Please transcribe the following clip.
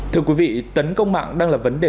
thưa quý vị tấn công mạng đang là vấn đề